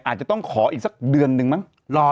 อาจจะต้องขออีกสักเดือนนึงมั้ง